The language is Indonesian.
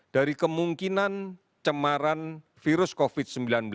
dari kemungkinan cemaran virus covid sembilan belas